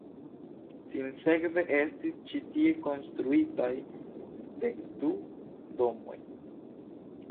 Sinsekve estis ĉi tie konstruitaj dek du domoj.